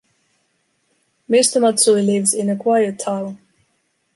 Mr Matsui lives in a quiet town.